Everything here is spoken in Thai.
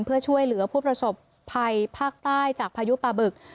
เพื่อช่วยเหลือผู้ประสบภัยภาคใต้จากพายุปลาบึก